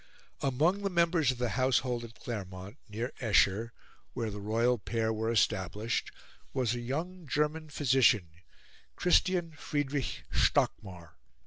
Among the members of the household at Claremont, near Esher, where the royal pair were established, was a young German physician, Christian Friedrich Stockmar.